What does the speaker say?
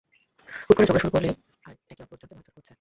হুট করে ঝগড়া শুরু করলো আর একে অপরজনকে মারধর করছে।